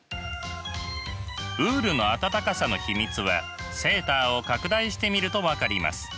ウールの暖かさの秘密はセーターを拡大してみると分かります。